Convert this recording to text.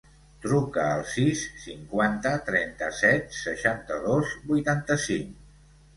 Truca al sis, cinquanta, trenta-set, seixanta-dos, vuitanta-cinc.